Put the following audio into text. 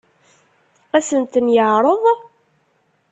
Ad sen-ten-yeɛṛeḍ?